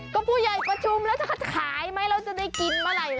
ก็ผู้ใหญ่ประชุมแล้วจะขายไหมแล้วจะได้กินเมื่อไหร่